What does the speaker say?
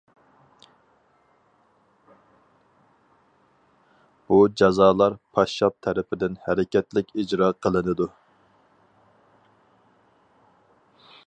بۇ جازالار پاششاپ تەرىپىدىن ھەرىكەتلىك ئىجرا قىلىنىدۇ.